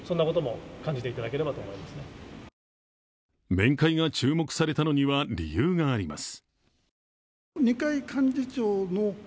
面会が注目されたのには理由があります。